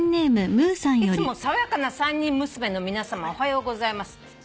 「いつも爽やかな３人娘の皆さまおはようございます」